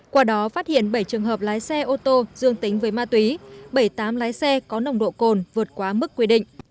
qua đó phát hiện bảy trường hợp lái xe ô tô dương tính với ma túy bảy tám lái xe có nồng độ cồn vượt quá mức quy định